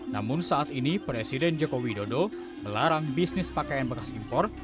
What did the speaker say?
namun saat ini presiden joko widodo melarang bisnis pakaian bekas impor